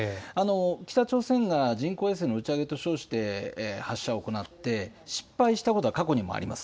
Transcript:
北朝鮮が人工衛星の打ち上げと称して発射を行って失敗したことは過去にもあります。